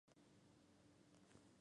Nació en Parral, Chihuahua.